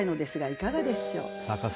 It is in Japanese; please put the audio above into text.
いかがでしょう。